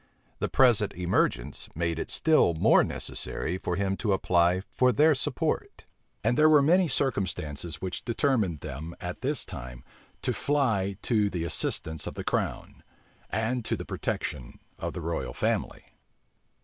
The present emergence made it still more necessary for him to apply for their support; and there were many circumstances which determined them, at this time, to fly to the assistance of the crown, and to the protection of the royal family.